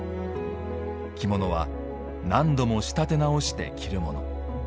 着物は、何度も仕立て直して着るもの。